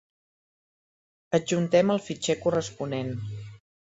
Adjuntem el fitxer corresponent.